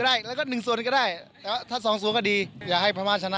ก็ได้แล้วก็หนึ่งส่วนก็ได้แต่ว่าถ้าสองส่วนก็ดีอยากให้พระมาทชนะ